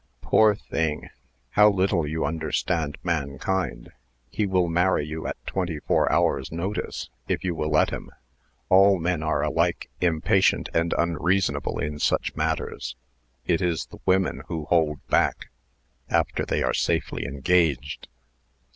"Poor thing! how little you understand mankind! He will marry you at twenty four hours' notice, if you will let him. All men are alike impatient and unreasonable in such matters. It is the women who hold back after they are safely engaged."